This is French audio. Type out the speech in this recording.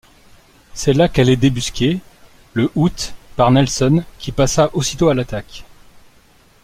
C'est là qu'elle est débusquée, le août, par Nelson qui passa aussitôt à l'attaque.